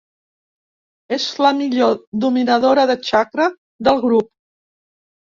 És la millor dominadora de txakra del grup.